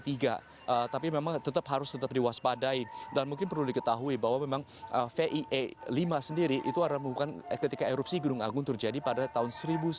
tapi memang tetap harus tetap diwaspadai dan mungkin perlu diketahui bahwa memang vie lima sendiri itu adalah bukan ketika erupsi gunung agung terjadi pada tahun seribu sembilan ratus sembilan puluh